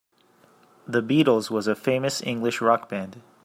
The Beatles was a famous English rock band.